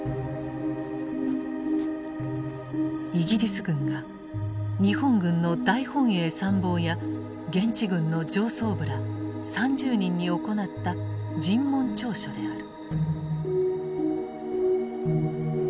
イギリス軍が日本軍の大本営参謀や現地軍の上層部ら３０人に行った尋問調書である。